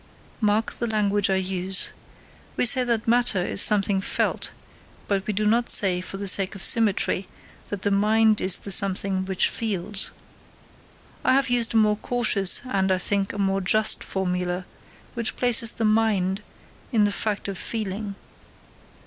Mark the language I use. We say that matter is the something felt; but we do not say for the sake of symmetry, that the mind is the something which feels. I have used a more cautious, and, I think, a more just formula, which places the mind in the fact of feeling.